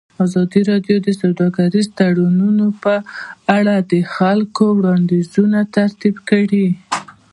ازادي راډیو د سوداګریز تړونونه په اړه د خلکو وړاندیزونه ترتیب کړي.